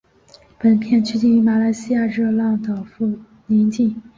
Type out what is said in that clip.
本片取景于马来西亚热浪岛邻近的。